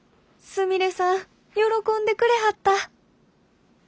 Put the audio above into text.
すみれさん喜んでくれはった。